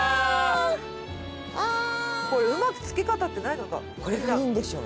うまくつき方ってないのか？